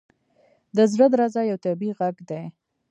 • د زړه درزا یو طبیعي ږغ دی.